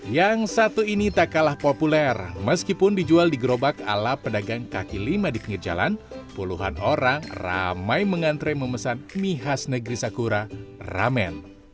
yang satu ini tak kalah populer meskipun dijual di gerobak ala pedagang kaki lima di pinggir jalan puluhan orang ramai mengantre memesan mie khas negeri sakura ramen